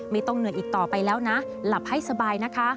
ไม่ต้องเหนื่อยอีกต่อไปแล้วนะหลับให้สบายนะคะ